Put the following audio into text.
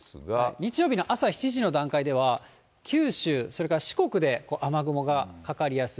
日曜日の朝７時の段階では、九州、それから四国で雨雲がかかりやすい。